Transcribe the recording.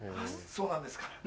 そうなんですか。